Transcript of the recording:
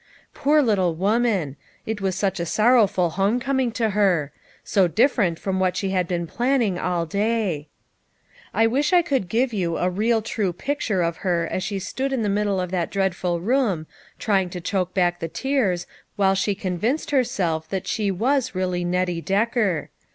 Poor little woman ! It was such a sorrowful home coming to her. So different from what she had been planning all day. I wish I could give you a real true picture of BEGINNING HER LIFE. 27 her as she stood in the middle of that dreadful room, trying to choke back the tears while she convinced herself that she was really Nettie Decker.